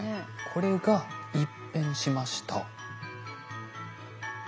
これが一変しました。